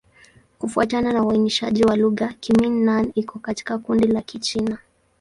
Kufuatana na uainishaji wa lugha, Kimin-Nan iko katika kundi la Kichina.